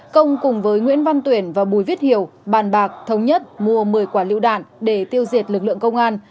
công cùng với nguyễn văn tuyển và bùi viết hiểu bàn bạc thống nhất mua một mươi quả lựu đạn để tiêu diệt lực lượng công an